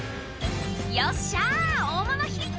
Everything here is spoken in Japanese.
「よっしゃ大物ヒット！」